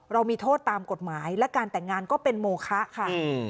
เรามีโทษตามกฎหมายและการแต่งงานก็เป็นโมคะค่ะ